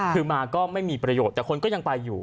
คือมาก็ไม่มีประโยชน์แต่คนก็ยังไปอยู่